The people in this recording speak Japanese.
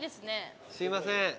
すいません。